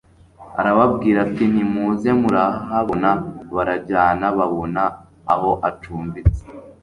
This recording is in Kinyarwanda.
Arababwira ati : "Nimuze murahabona". Barajyana babona aho acumbitse, ...